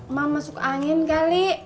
emak masuk angin kali